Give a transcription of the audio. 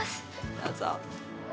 どうぞ。